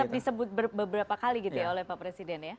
itu disebut beberapa kali gitu ya oleh pak presiden ya